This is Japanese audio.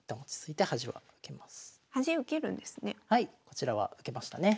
こちらは受けましたね。